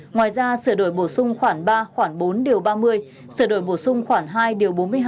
ngoài ra sửa đổi bổ sung khoảng ba khoảng bốn điều ba mươi sửa đổi bổ sung khoảng hai điều bốn mươi hai